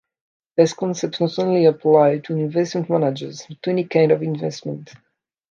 These concepts not only apply to investment managers, but to any kind of investment.